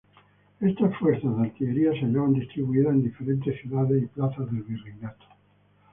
Estas fuerzas de artillería se hallaban distribuidas en diferentes ciudades y plazas del virreinato.